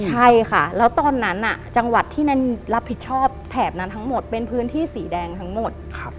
ใช่ค่ะแล้วตอนนั้นจังหวัดที่นั่นรับผิดชอบแถบนั้นทั้งหมดเป็นพื้นที่สีแดงทั้งหมด